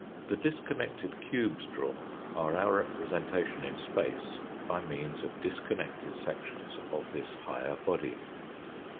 The dis connected cubes drawn are our representation in space by means of disconnected sections of this higher body.